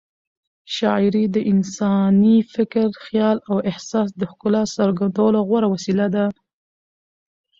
شاعري د انساني فکر، خیال او احساس د ښکلا څرګندولو غوره وسیله ده.